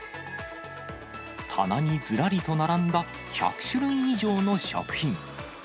棚にずらりと並んだ１００種類以上の食品。